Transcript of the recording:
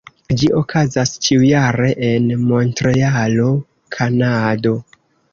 Ĝi okazas ĉiujare en Montrealo, Kanado.